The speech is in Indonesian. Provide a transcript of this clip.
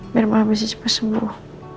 biar maaf bisa cepat sembuh